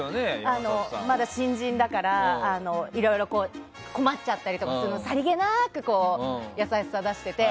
まだ新人だから、いろいろ困っちゃったりとかしてもさりげなく優しさ出してて。